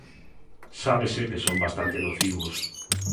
Sábese que son bastante nocivos.